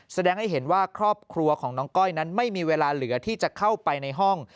แสดงให้เห็นว่าครอบครัวของน้องก้อยนั้นไม่มีเวลาเหลือที่จะเข้าไปในห้อง